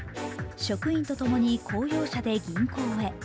職員とともに公用車で銀行へ。